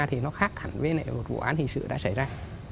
thì nó khác hẳn với vụ án hình sự đã xảy ra